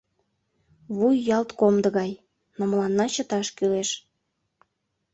Вуй ялт комдо гай, но мыланна чыташ кӱлеш.